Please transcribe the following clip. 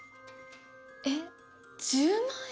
えっ１０万円？